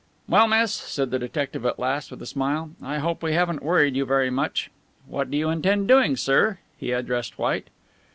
"Well, miss," said the detective at last, with a smile, "I hope we haven't worried you very much. What do you intend doing, sir?" He addressed White.